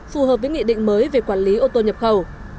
phù hợp với nghị định mới về quản lý ô tô nhập khẩu